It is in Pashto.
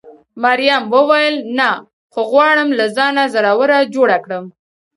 مريم وویل: نه، خو غواړم له ځانه زړوره جوړه کړم.